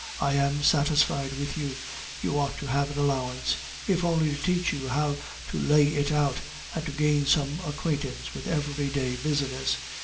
I am satisfied with you. You ought to have an allowance, if only to teach you how to lay it out, and to gain some acquaintance with everyday business.